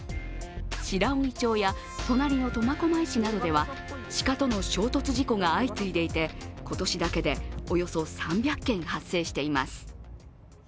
白老町や隣の苫小牧市などでは鹿との衝突事故が相次いでいて、今年だけでおよそ３００件発生しています。